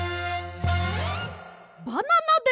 バナナです！